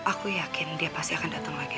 hai aku yakin dia pasti akan datang lagi